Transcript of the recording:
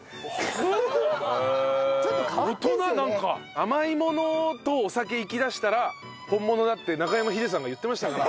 甘いものとお酒いきだしたら本物だって中山ヒデさんが言ってましたから。